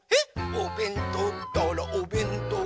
「おべんとうったらおべんとう！